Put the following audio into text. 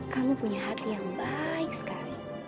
kamu punya hati yang baik sekali